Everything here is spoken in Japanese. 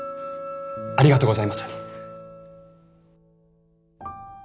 ありがとうございます。